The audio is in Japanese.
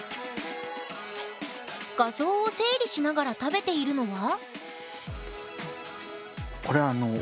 画像を整理しながら食べているのは？